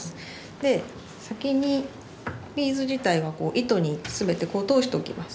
で先にビーズ自体は糸に全てこう通しておきます。